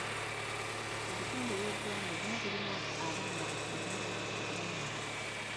Mu bitundu eby'eggwanga ebimu abaana batono abamaliririza pulayimale.